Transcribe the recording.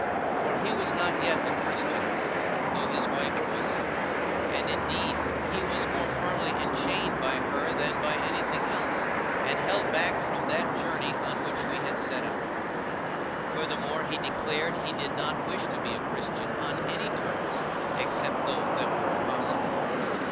For he was not yet a Christian, though his wife was; and, indeed, he was more firmly enchained by her than by anything else, and held back from that journey on which we had set out. Furthermore, he declared he did not wish to be a Christian on any terms except those that were impossible.